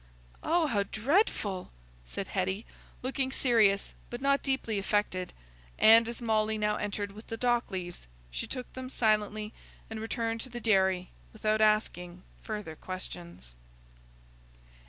"Oh, how dreadful!" said Hetty, looking serious, but not deeply affected; and as Molly now entered with the dock leaves, she took them silently and returned to the dairy without asking further questions.